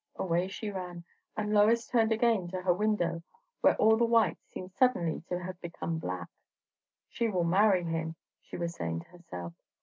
Away she ran, and Lois turned again to her window, where all the white seemed suddenly to have become black. She will marry him! she was saying to herself.